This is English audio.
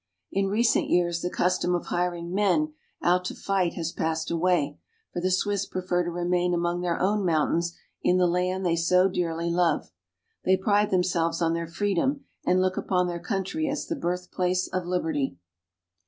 In recent years the custom of hiring men out to fight has passed away, for the Swiss prefer to remain among their own mountains in the land they so dearly love. They pride themselves on their freedom, and look upon their country as the birth place of liberty.